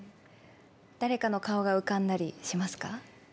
誰かの顔が浮かんだりしますか？